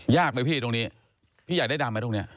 ยากไหมพี่ตรงนี้พี่อยากได้ดำไหมตรงนี้